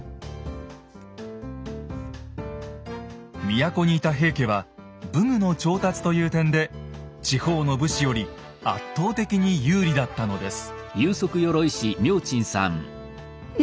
都にいた平家は武具の調達という点で地方の武士より圧倒的に有利だったのです。